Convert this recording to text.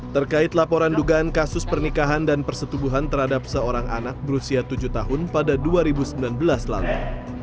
terkait laporan dugaan kasus pernikahan dan persetubuhan terhadap seorang anak berusia tujuh tahun pada dua ribu sembilan belas lalu